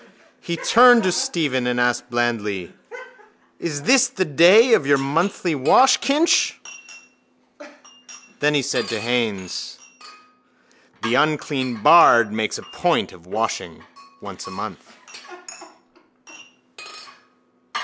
He turned to Stephen and asked blandly: —Is this the day for your monthly wash, Kinch? Then he said to Haines: —The unclean bard makes a point of washing once a month.